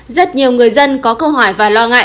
rất nhiều người dân có câu hỏi và lo ngại